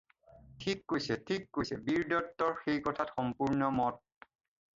ঠিক কৈছে, ঠিক কৈছে, বীৰদত্তৰ সেই কথাত সম্পূৰ্ণ মত।